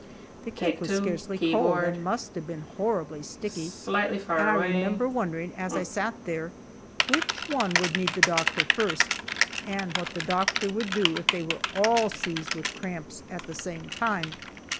The cake was scarcely cold, and must have been horribly sticky and I remember wondering, as I sat there, which one would need the doctor first, and what the doctor would do if they were all seized with cramps at the same time.